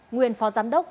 nguyên phó giám đốc